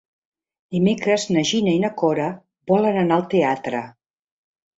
Dimecres na Gina i na Cora volen anar al teatre.